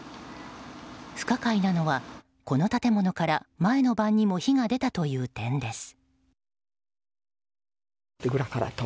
不可解なのは、この建物から前の晩にも火が出たという点です。